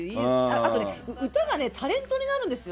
あとね、歌がタレントになるんですよ。